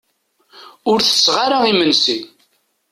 Ur tetteɣ ara imensi.